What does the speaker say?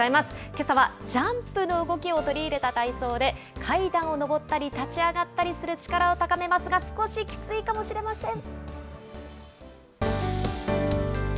けさはジャンプの動きを取り入れた体操で、階段を上ったり立ち上がったりする力を高めますが、少しきついかもしれません。